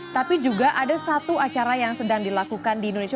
tapi juga ada satu acara yang sedang dilakukan di indonesia